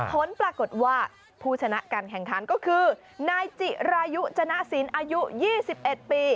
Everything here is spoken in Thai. ผลปรากฏว่าผู้ชนะการแข่งขันก็คือนายจิรายุจณสินอายุ๒๑ปี